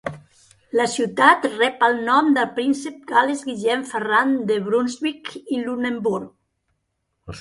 La ciutat rep el nom del príncep Carles-Guillem Ferran de Brunsvic i Lunenburg.